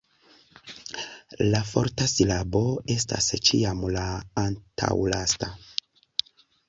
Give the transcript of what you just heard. La forta silabo estas ĉiam la antaŭlasta.